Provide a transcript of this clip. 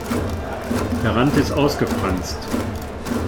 Der Rand ist ausgefranst.